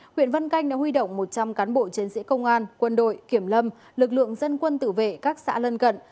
huyện vân canh đã huy động một trăm linh cán bộ chiến sĩ công an quân đội kiểm lâm lực lượng dân quân tự vệ các xã lân cận